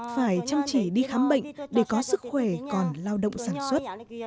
phải chăm chỉ đi khám bệnh để có sức khỏe còn lao động sản xuất